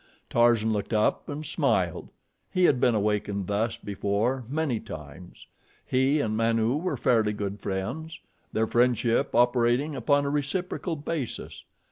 Tarzan looked up and smiled. He had been awakened thus before many times. He and Manu were fairly good friends, their friendship operating upon a reciprocal basis.